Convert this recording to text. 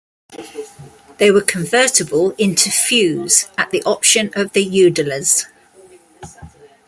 They were convertible into feus at the option of the udallers.